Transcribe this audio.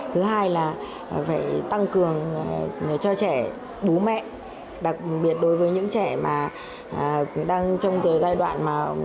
thứ hai là phải tăng cường cho trẻ bố mẹ đặc biệt đối với những trẻ mà đang trong giai đoạn mà